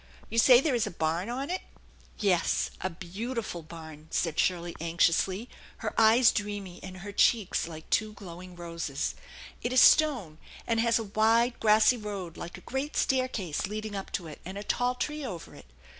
You say there is a barn on it ?" "Yes, a beautiful barn," said Shirley anxiously, her eyes 20 30 THE ENCHANTED BARN dreamy and her cheeks like two glowing roses. " It is stone, and has a wide grassy road like a great staircase leading up to it, and a tall tree over it.